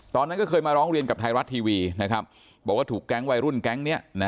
ตอนนั้นก็เคยมาร้องเรียนกับไทยรัฐทีวีนะครับบอกว่าถูกแก๊งวัยรุ่นแก๊งนี้